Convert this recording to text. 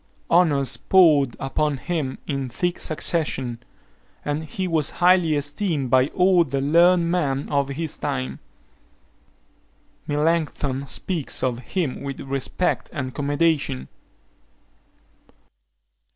Honours poured upon him in thick succession; and he was highly esteemed by all the learned men of his time. Melancthon speaks of him with respect and commendation.